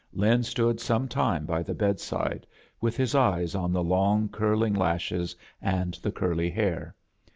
Lin stood some time by the bedside, with his eyes on the lonft curling lashes and the curly hair.